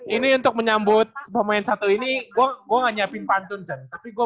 ini untuk menyambut pemain satu ini gue gak nyiapin pantun cen